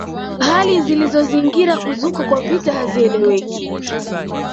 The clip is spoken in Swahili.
Hali zilizozingira kuzuka kwa vita hazieleweki